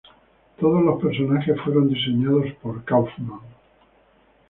Todos los personajes fueron diseñados por Kauffman.